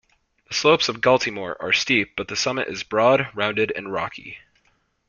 The slopes of Galtymore are steep but the summit is broad, rounded and rocky.